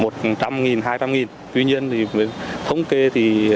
tuy nhiên thì thống kê thì